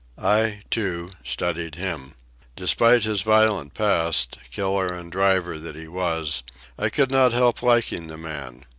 I, too, studied him. Despite his violent past, killer and driver that he was, I could not help liking the man.